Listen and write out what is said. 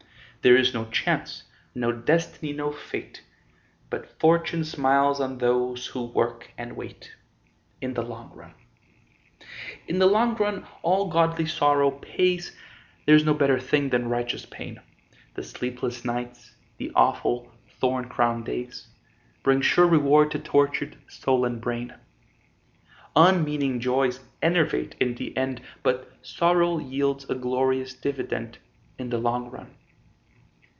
There is no Chance, no Destiny, no Fate, But Fortune smiles on those who work and wait, In the long run. In the long run all godly sorrow pays, There is no better thing than righteous pain, The sleepless nights, the awful thorn crowned days, Bring sure reward to tortured soul and brain. Unmeaning joys enervate in the end, But sorrow yields a glorious dividend In the long run.